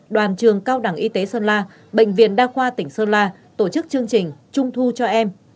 đoàn trường cao đẳng y tế sơn la bệnh viện đa khoa tỉnh sơn la tổ chức chương trình trung thu cho em